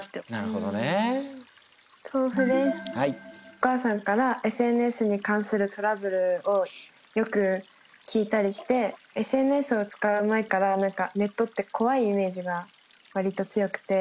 お母さんからＳＮＳに関するトラブルをよく聞いたりしてＳＮＳを使う前からネットって怖いイメージがわりと強くて。